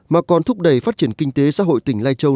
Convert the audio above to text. mà còn thúc đẩy phát triển kinh tế xã hội tỉnh lai châu